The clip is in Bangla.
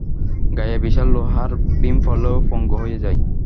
গায়ে বিশাল লোহার বিম পড়লে ও পঙ্গু হয়ে যায়।